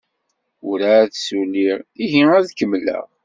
Werɛad ssuliɣ, ihi ad kemmleɣ.